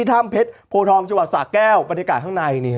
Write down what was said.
ถ้ำเพชรโภธองเฉาะศาสตร์แก้วบรรยากาศข้างในนี่